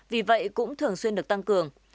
vì vậy cũng thường xuyên được tăng cường